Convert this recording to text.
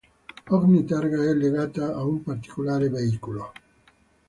Ogni targa è legata a un particolare veicolo.